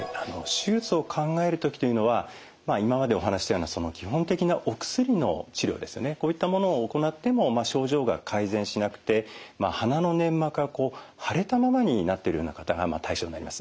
手術を考える時というのは今までお話ししたような基本的なお薬の治療ですねこういったものを行っても症状が改善しなくて鼻の粘膜が腫れたままになってるような方が対象になります。